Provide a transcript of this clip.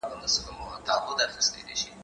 ته ولي د کتابتون د کار مرسته کوې!.